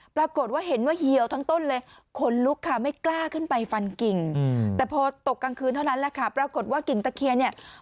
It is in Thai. ปรากฏว่าเห็นว่าเหี่ยวทั้งต้นเลย